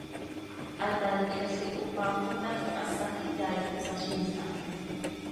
Hataai cheel quih cohpaafin ta x, hasaj ihyaai cop saziim aha.